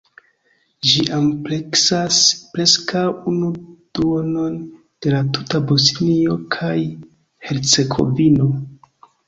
Ĝi ampleksas preskaŭ unu duonon de la tuta Bosnio kaj Hercegovino.